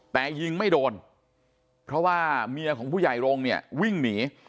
แต่ยิงไม่โดนเพราะว่าเมียของผู้ใหญ่รงค์เนี่ยวิ่งหนี